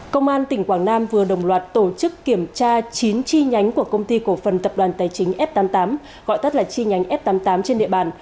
công an tỉnh quảng nam vừa đồng loạt tổ chức kiểm tra chín chi nhánh của công ty cổ phần tập đoàn tài chính f tám mươi tám gọi tắt là chi nhánh f tám mươi tám trên địa bàn